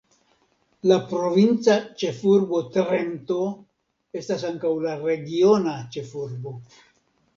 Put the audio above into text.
La provinca ĉefurbo Trento estas ankaŭ la regiona ĉefurbo.